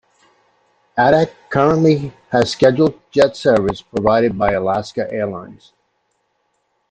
Adak currently has scheduled jet service provided by Alaska Airlines.